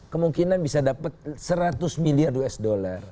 kemungkinan bisa dapat seratus miliar usd